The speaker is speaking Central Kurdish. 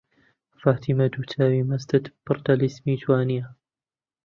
فاتمە دوو چاوی مەستت پڕ تەلیسمی جوانییە